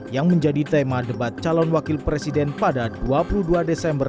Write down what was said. yang menjadi tema debat calon wakil presiden pada dua puluh dua desember